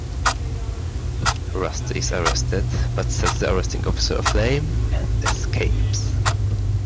Rusty is arrested, but sets the arresting officer aflame and escapes.